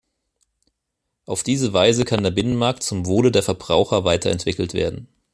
Auf diese Weise kann der Binnenmarkt zum Wohle der Verbraucher weiterentwickelt werden.